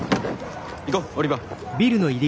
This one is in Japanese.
行こうオリバー。